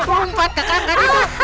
berhumpat ke kakak itu